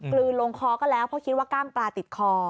กลืนลงคอก็แล้วเพราะคิดว่ากล้างปลาติดคอ